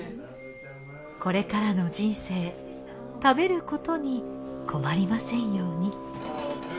これからの人生食べることに困りませんように。